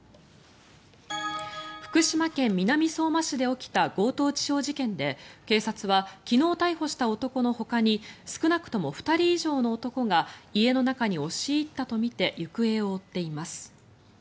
福島県南相馬市で起きた強盗致傷事件で警察は昨日逮捕した男のほかに少なくとも２人以上の男が家の中に押し入ったとみて行方を追っています。